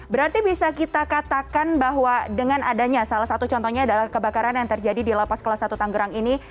berarti bisa kita katakan bahwa dengan adanya salah satu contohnya adalah kebakaran yang terjadi di lapas kelas satu tanggerang ini